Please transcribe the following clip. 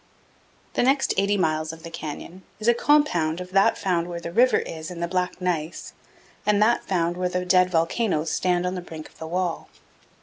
The next 80 miles of the canyon is a compound of that found where the river is in the black gneiss and that found where the dead volcanoes stand on the brink of the wall.